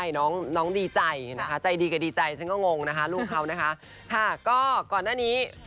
ใช่น้องดีใจนะคะใจดีกับดีใจฉันก็งงนะคะลูกเขาจะกล้อนหน้านี้